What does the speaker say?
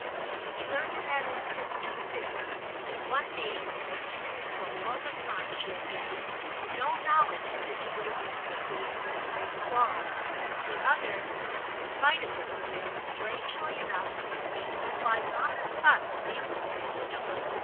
He learned in that instant two things: one being that even in so long a time she had gathered no knowledge of his great intimacy and his great quarrel; the other that in spite of this ignorance, strangely enough, she supplied on the spot a reason for his stupor.